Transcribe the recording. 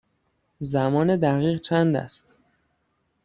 زمان دقیق چند است؟